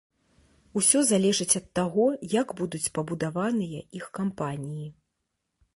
Усё залежыць ад таго, як будуць пабудаваныя іх кампаніі.